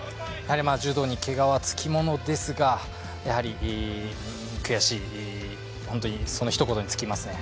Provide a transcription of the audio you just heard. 柔道にけがはつきものですが、悔しい、そのひと言に尽きますね。